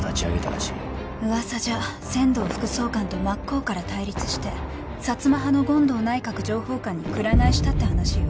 噂じゃ千堂副総監と真っ向から対立して薩摩派の権藤内閣情報官にくら替えしたって話よ。